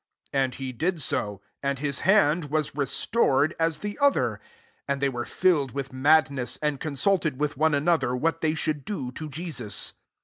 And he did so : and his hand was restored [at the other]. 11 And they were filled with madness; and consulted with one another what they should do to Jesus.